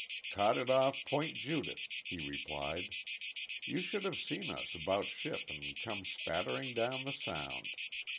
"Caught it off Point Judith," he replied. "You should have seen us 'bout ship and come spattering down the Sound.